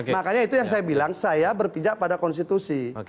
makanya itu yang saya bilang saya berpijak pada konstitusi